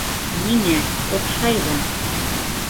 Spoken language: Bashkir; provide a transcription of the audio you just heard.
- Ниңә, оҡшай ҙа...